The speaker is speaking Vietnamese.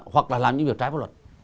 hoặc là làm những việc trái pháp luật